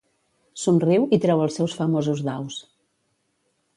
Somriu i treu els seus famosos daus.